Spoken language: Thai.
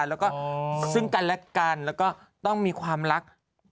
แล้วก็ซึ่งกันและกันแล้วก็ต้องมีความรัก